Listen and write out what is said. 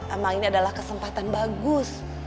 emang ini adalah kesempatan bagus